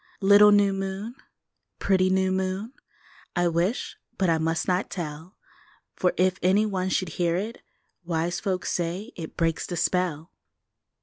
Little new moon, pretty new moon, I wish but I must not tell! For if any one should hear it, Wise folks say it breaks the spell!